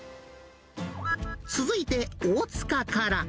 続いて、大塚から。